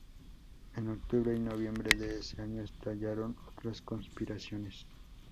En octubre y noviembre de ese año estallaron otras conspiraciones.